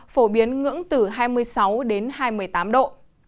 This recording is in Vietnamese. phổ biến ngưỡng từ hai mươi sáu đến hai mươi tám độ